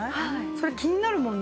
それ気になるもんね。